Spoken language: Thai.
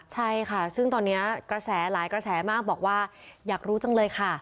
ใช่ค่ะซึ่งตอนนี้กระแสหลายกระแสมากบอกว่าอยากรู้จังเลยค่ะ